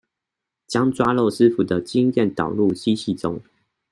將抓漏師傅們的經驗導入機器中